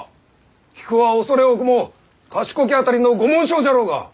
菊は畏れ多くも「畏きあたりのご紋章」じゃろうが！